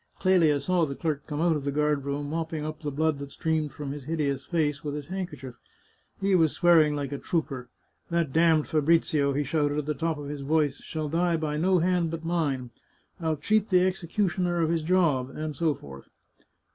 Clelia saw the clerk come out of the guard room, mop ping up the blood that streamed from his hideous face with his handkerchief ; he was swearing like a trooper. " That d — d Fabrizio," he shouted at the top of his voice, " shall die by no hand but mine ! I'll cheat the executioner of his job," and so forth.